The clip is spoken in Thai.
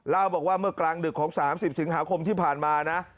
เล่าบอกว่าเมื่อกลางดึกของ๓๐สิงหาคมที่ผ่านมานะ